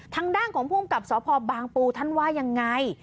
ทางด้านของภูมิกับสพบางปูท่านว่ายังไง